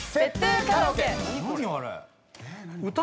あれ。